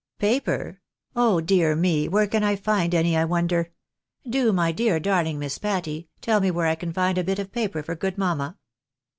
"" Paper ? Oh, dear me, where can I find any, I wonder ? Do, my dear darling Miss Patty, tell me where I can find a bit of paper for good mamma